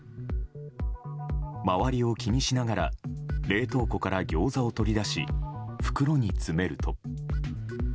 周りを気にしながら冷凍庫からギョーザを取り出し袋に詰めると。